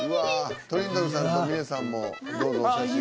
トリンドルさんと峰さんもどうぞ写真。